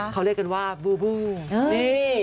เขาเรียกกันว่าบูบูนี่